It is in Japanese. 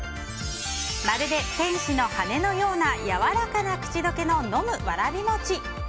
まるで天使の羽のようなやわらかな口どけの飲むわらびもち。